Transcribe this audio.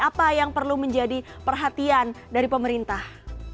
apa yang perlu menjadi perhatian dari pemerintah